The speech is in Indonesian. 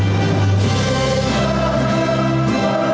hidup istana yang baik